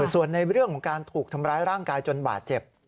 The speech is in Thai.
ส่วนในเรื่องของการถูกทำร้ายร่างกายจนบาดเจ็บ